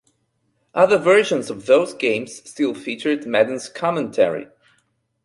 Other versions of those games still featured Madden's commentary.